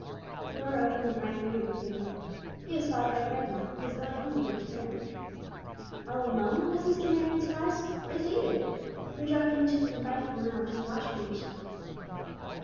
The door opened, and Frank Marion came in. He was followed by Cragmore, who was going home with him to dinner. "All alone?" asked Mr. Marion in surprise. "Where's David? We dropped in to invite him around to the watch meeting to night."